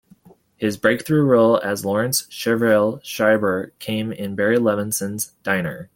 His breakthrough role as Laurence "Shrevie" Schreiber came in Barry Levinson's "Diner".